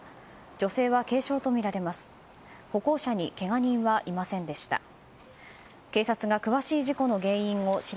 女性は軽傷とみられます。